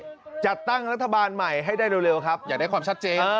จัดตั้งรัฐบาลใหม่ให้ได้เร็วครับอยากได้ความชัดเจน